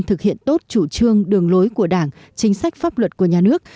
thực hiện tốt chủ trương đường lối của đảng chính sách pháp luật của nhà nước